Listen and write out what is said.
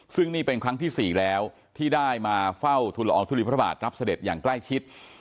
ซึ่งนี่เป็นครั้งที่๔แล้วที่ได้มาเฝ้าทุลอองทุลีพระบาทรับเสด็จอย่างใกล้ชิด